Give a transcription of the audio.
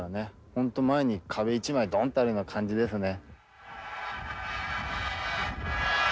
本当前に壁一枚ドンとあるような感じですね。